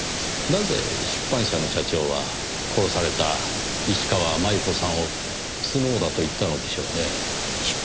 なぜ出版社の社長は殺された石川真悠子さんをスノウだと言ったのでしょうねぇ。